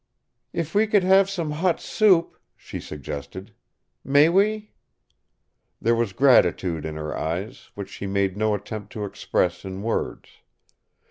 "If we could have some hot soup," she suggested. "May we?" There was gratitude in her eyes, which she made no attempt to express in words.